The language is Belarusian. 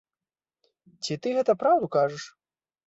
Ці ты гэта праўду кажаш?